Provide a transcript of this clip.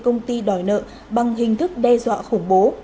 công ty đòi nợ bằng hình thức đe dọa khủng bố